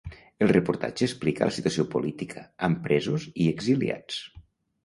El reportatge explica la situació política, amb presos i exiliats.